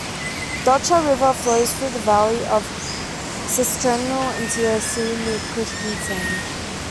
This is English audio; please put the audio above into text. The Otra river flows through the valley of Setesdal into the sea near Kristiansand.